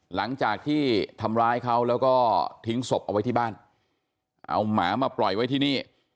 หลังจากที่ทำร้ายเขาแล้วก็ทิ้งศพเอาไว้ที่บ้านเอาหมามาปล่อยไว้ที่นี่